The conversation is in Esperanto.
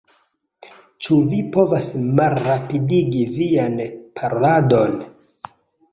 Ĉu vi povas malrapidigi vian paroladon?